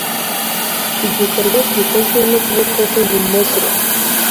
Igikorwa gikozwe n’ukuboko kw’ibumoso